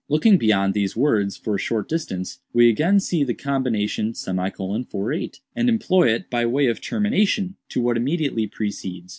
"Looking beyond these words, for a short distance, we again see the combination ;48, and employ it by way of termination to what immediately precedes.